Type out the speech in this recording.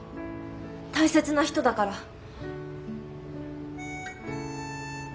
大切な人だから。